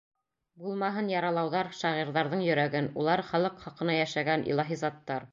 Булмаһын яралауҙар шағирҙарҙың йөрәген, улар — халыҡ хаҡына йәшәгән илаһи заттар.